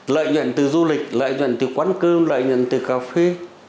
lợi nhuận từ du lịch lợi nhuận từ quán cơm lợi nhuận từ cà phê